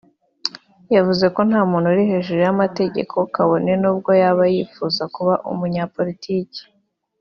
yavuze ko nta muntu uri hejuru y’amategeko kabone n’ubwo yaba yifuza kuba umunyapolitiki